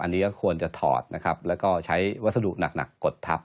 อันนี้ก็ควรจะถอดนะครับแล้วก็ใช้วัสดุหนักกดทับ